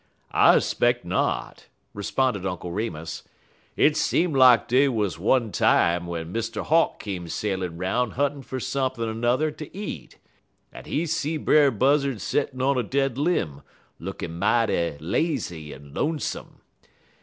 "I 'speck not," responded Uncle Remus. "Hit seem lak dat dey wuz one time w'en Mr. Hawk come sailin' 'roun' huntin' fer sump'n' 'n'er t' eat, en he see Brer Buzzard settin' on a dead lim', lookin' mighty lazy en lonesome.